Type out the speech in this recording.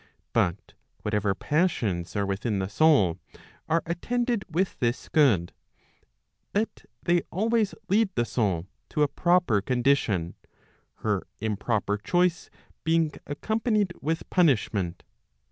But whatever passions are within the soul, are attended with this good, that they always lead the soul to a proper condition, her improper choice being accompanied with punish¬ ment.